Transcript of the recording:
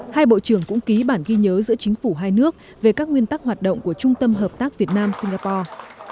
hai bộ trưởng cũng ký bản ghi nhớ giữa chính phủ hai nước về các nguyên tắc hoạt động của trung tâm hợp tác việt nam singapore